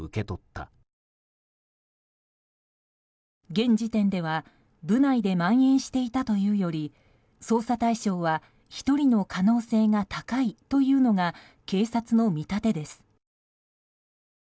現時点では部内でまん延していたというより捜査対象は１人の可能性が高いというのが警察の見立てです。